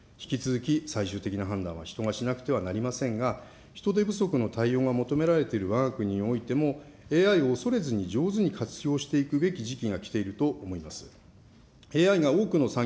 あらゆるデータを瞬時に読み込み、最適解を出していく、引き続き最終的な判断は人がしなくてはなりませんが、人手不足の対応が求められているわが国においても、ＡＩを恐れずに、上手に活用していくべき時期がきていると思います。